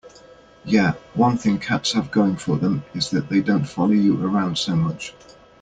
Yeah, one thing cats have going for them is that they don't follow you around so much.